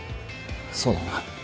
そうだな。